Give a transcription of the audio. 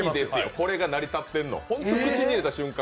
これが成り立ってるの口に入れた瞬間